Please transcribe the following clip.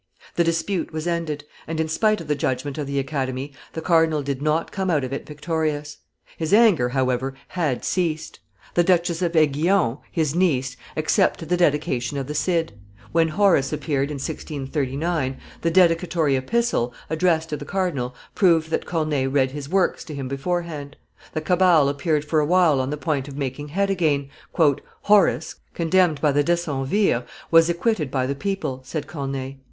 The dispute was ended, and, in spite of the judgment of the Academy, the cardinal did not come out of it victorious; his anger, however, had ceased: the Duchess of Aiguillon, his niece, accepted the dedication of the Cid; when Horace appeared, in 1639, the dedicatory epistle, addressed to the cardinal, proved that Corneille read his works to him beforehand; the cabal appeared for a while on the point of making head again. "Horace, condemned by the decemvirs, was acquitted by the people," said Corneille.